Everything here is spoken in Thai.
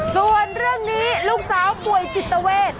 ส่วนเรื่องนี้ลูกสาวป่วยจิตเวท